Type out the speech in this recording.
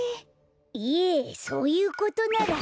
いえそういうことなら。